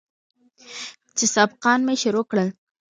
چې سبقان مې شروع کړل.